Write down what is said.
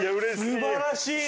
素晴らしいですね。